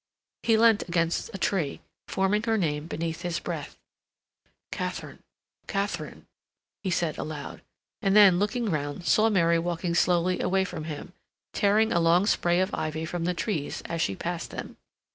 He leant against a tree, forming her name beneath his breath: "Katharine, Katharine," he said aloud, and then, looking round, saw Mary walking slowly away from him, tearing a long spray of ivy from the trees as she passed them.